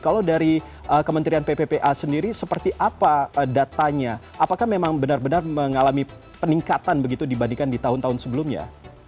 kalau dari kementerian pppa sendiri seperti apa datanya apakah memang benar benar mengalami peningkatan begitu dibandingkan di tahun tahun sebelumnya